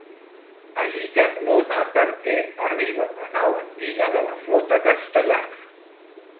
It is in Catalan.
Agitem l'ona perquè arriba una nau antiga de la flota castellana.